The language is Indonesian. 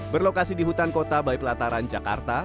berlokasi di hutan kota baipelataran jakarta